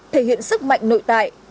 thể hiện sức mạnh nội tại